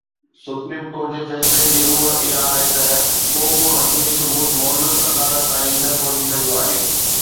Supreme court جي فيصلي جي روح اها آهي ته ڪو به حتمي ثبوت معزز عدالت تائين نه پهچي سگهيو آهي.